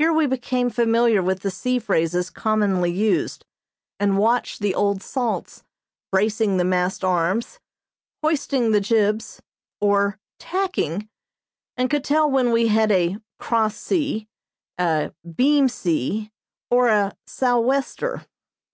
Here we became familiar with the sea phrases commonly used, and watched the old salts "bracing the mast arms," "hoisting the jibs," or "tacking," and could tell when we had a "cross sea," a "beam sea," or a "sou' wester."